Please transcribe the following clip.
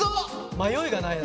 迷いがないな。